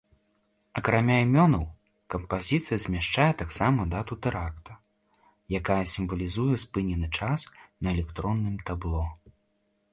Акрамя імёнаў кампазіцыя змяшчае таксама дату тэракта, якая сімвалізуе спынены час на электронным табло.